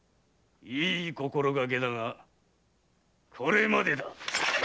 いい心掛けだがこれまでだ！